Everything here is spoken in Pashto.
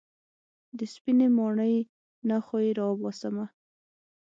د سپينې ماڼۍ نه خو يې راوباسمه.